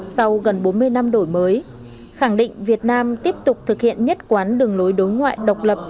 sau gần bốn mươi năm đổi mới khẳng định việt nam tiếp tục thực hiện nhất quán đường lối đối ngoại độc lập